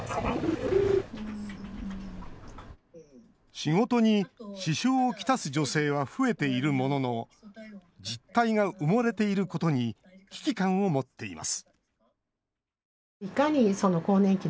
仕事に支障をきたす女性は増えているものの実態が埋もれていることに危機感を持っています